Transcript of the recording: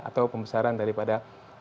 atau pembesaran daripada